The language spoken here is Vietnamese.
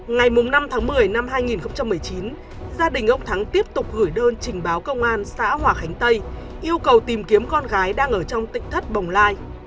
ngày năm tháng một mươi năm hai nghìn một mươi chín gia đình ông thắng tiếp tục gửi đơn trình báo công an xã hòa khánh tây yêu cầu tìm kiếm con gái đang ở trong tỉnh thất bồng lai